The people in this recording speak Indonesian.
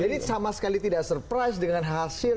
sama sekali tidak surprise dengan hasil